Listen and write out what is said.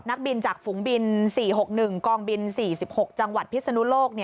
นักบินจากฝูงบิน๔๖๑กองบิน๔๖จังหวัดพิศนุโลก